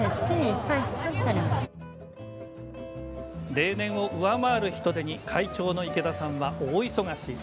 例年を上回る人出に会長の池田さんは大忙し。